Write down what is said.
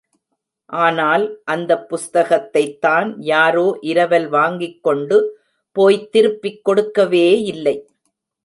ஆனால், அந்தப் புஸ்தகத்தைத்தான் யாரோ இரவல் வாங்கிக்கொண்டு போய்த் திருப்பிக் கொடுக்கவேயில்லை.